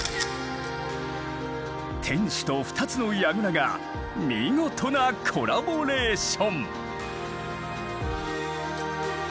天守と２つの櫓が見事なコラボレーション！